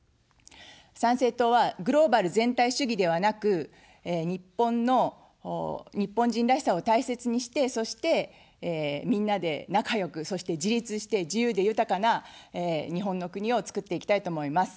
参政党は、グローバル全体主義ではなく、日本の日本人らしさを大切にして、そして、みんなで仲良く、そして自立して、自由で豊かな日本の国をつくっていきたいと思います。